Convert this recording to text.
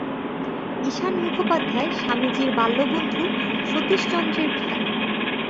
ঈশান মুখোপাধ্যায় স্বামীজীর বাল্যবন্ধু সতীশচন্দ্রের পিতা।